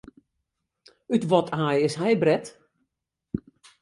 Ut wat aai is hy bret?